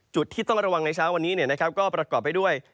จุดที่ต้องระวังในเช้าวันนี้ก็ประกอบไปด้วย